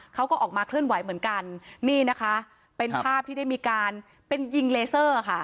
เขาก็ออกมาเคลื่อนไหวเหมือนกันนี่นะคะเป็นภาพที่ได้มีการเป็นยิงเลเซอร์ค่ะ